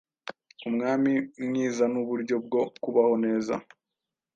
umwami mwizanuburyo bwo kubaho neza